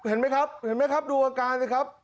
กูพระชมครับเห็นมั้ยครับดูอาการเลยครับ